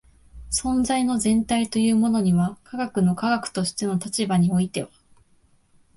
存在の全体というものには科学の科学としての立場においては